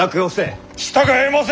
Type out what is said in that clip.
従えませぬ！